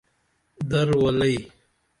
در ولئی!